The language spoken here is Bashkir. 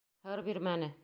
Һыр бирмәне: